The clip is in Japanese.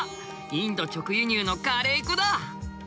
インド直輸入のカレー粉だ。